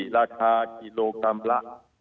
ราคากิโลกรัมละ